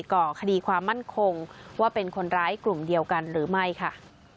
ก่อคดีความมั่นคงว่าเป็นคนร้ายกลุ่มเดียวกันหรือไม่ค่ะ